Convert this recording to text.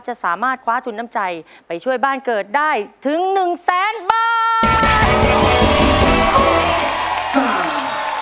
จะสามารถคว้าทุนน้ำใจไปช่วยบ้านเกิดได้ถึง๑แสนบาท